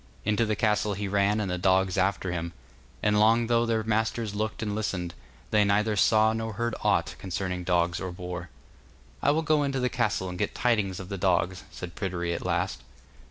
Into the castle he ran, and the dogs after him, and long though their masters looked and listened, they neither saw nor heard aught concerning dogs or boar. 'I will go into the castle and get tidings of the dogs,' said Pryderi at last.